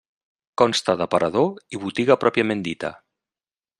Consta d'aparador i botiga pròpiament dita.